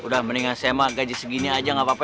udah mendingan sma gaji segini aja gak apa apa